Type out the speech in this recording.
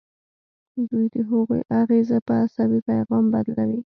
دوی د هغوی اغیزه په عصبي پیغام بدلوي.